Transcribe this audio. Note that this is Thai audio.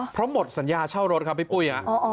เพราะหมดสัญญาเช่ารถครับพี่ปุ้ย